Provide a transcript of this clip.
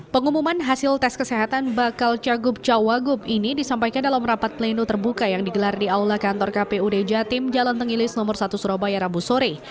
pengumuman hasil tes kesehatan bakal cagup cawagup ini disampaikan dalam rapat pleno terbuka yang digelar di aula kantor kpud jatim jalan tenggilis nomor satu surabaya rabu sore